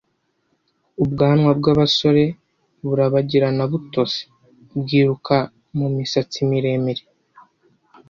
Ubwanwa bwabasore burabagirana butose , bwiruka mumisatsi miremire,